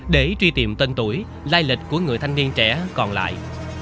để truy tìm tên tuổi lai lịch của người thanh niên trẻ còn lại